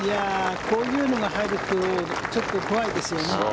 こういうのが入るっていうのはちょっと怖いですよね。